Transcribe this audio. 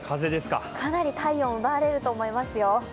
かなり体温を奪われると思いますよ。